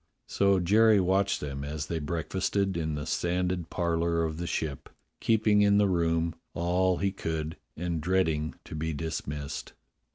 So Jerry watched them as they breakfasted in the sanded parlour of the Ship, keeping in the room all he could and dreading to be dismissed.